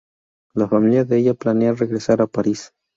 La familia de ella planea regresar a París.